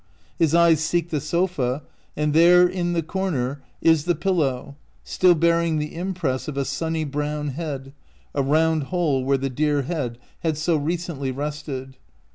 His eyes seek the sofa, and there in the corner is the pil low, still bearing the impress of a sunny brown head, a round hole where the dear head had so recently rested.